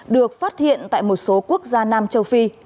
được phát hiện tại một số quốc gia nam châu phi